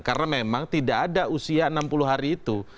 karena memang tidak ada usia enam puluh hari itu